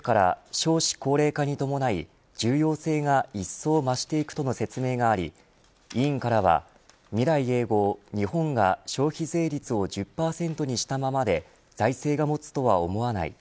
政府から少子高齢化に伴い重要性がいっそう増していくとの説明があり委員からは、未来永劫日本が消費税率を１０％にしたままで財政がもつとは思わない。